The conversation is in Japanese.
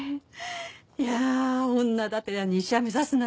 いやあ女だてらに医者目指すなんてね。